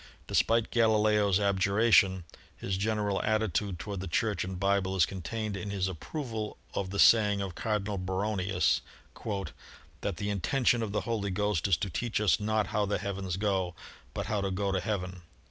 Despite Galileo's abjuration, his general attitude toward the Church and the Bible is contained in his approval of the saying of Cardinal Baronius, "That the intention of the Holy Ghost is to teach us not how the heavens go, but how to go to heaven."